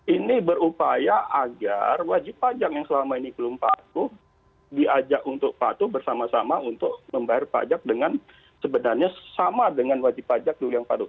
ini berupaya agar wajib pajak yang selama ini belum patuh diajak untuk patuh bersama sama untuk membayar pajak dengan sebenarnya sama dengan wajib pajak dulu yang patuh